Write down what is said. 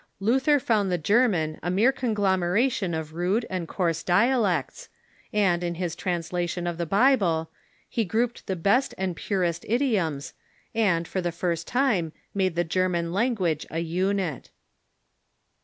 Luther found the German a mere conglomera tion of rude and coarse dialects, and, in his translation of the rOUK HUNDREDTH ANNIVERSARY OF LUTHEr's BIRTH 281 Bible, he grouped the best and purest idioms, and, for the first time, made the German language a unit.